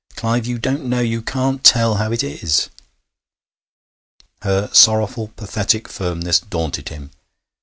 Clive, you don't know! You can't tell how it is!' Her sorrowful, pathetic firmness daunted him.